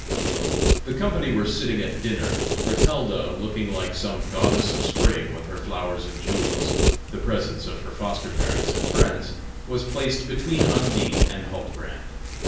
The company were sitting at dinner; Bertalda, looking like some goddess of spring with her flowers and jewels, the presents of her foster parents and friends, was placed between Undine and Huldbrand.